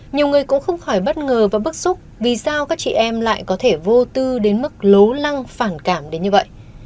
nhiều người cũng không khỏi bất ngờ và bức xúc vì sao các chị em lại có thể vô tư đến mức lố lăng phản cảm đến như vậy